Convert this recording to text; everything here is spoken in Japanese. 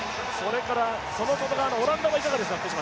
外側のオランダはいかがですか？